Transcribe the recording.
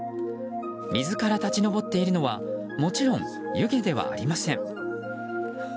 水から立ち上っているのはもちろん湯気ではありません。